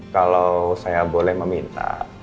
kalau saya boleh meminta